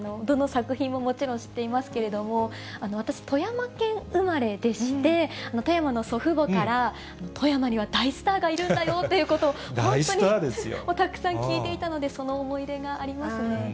どの作品ももちろん知っていますけれども、私、富山県生まれでして、富山の祖父母から、富山には大スターがいるんだよということを、本当にたくさん聞いていたので、その思い出がありますね。